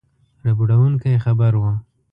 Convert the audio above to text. ربړوونکی خبر وو.